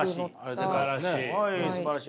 すばらしい。